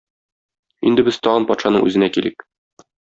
Инде без тагын патшаның үзенә килик.